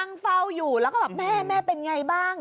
นั่งเฝ้าอยู่แล้วก็แบบแม่เป็นไงบ้าง